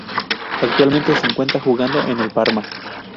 Actualmente se encuentra jugando en el Parma.